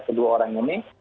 kedua orang ini